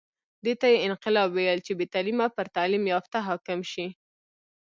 دې ته یې انقلاب ویل چې بې تعلیمه پر تعلیم یافته حاکم شي.